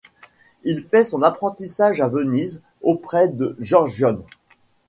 Il fait son apprentissage à Venise auprès de Giorgione.